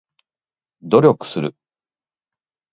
努力する